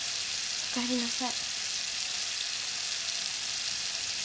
おかえりなさい！